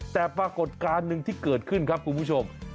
แต่ปรากฏการณ์หนึ่งที่เกิดขึ้นครับคุณผู้ชม